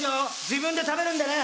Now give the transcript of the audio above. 自分で食べるんでね。